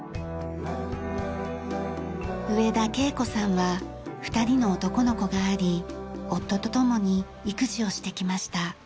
上田慶子さんは２人の男の子があり夫と共に育児をしてきました。